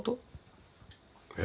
えっ？